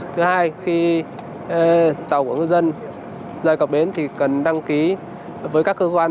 thứ hai khi tàu của ngư dân rời cập biến thì cần đăng ký với các cơ quan chức năng